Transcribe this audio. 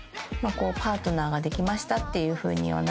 パートナーができましたっていうふうにはなるんですけど。